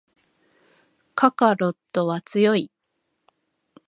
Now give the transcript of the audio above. カカロットは強い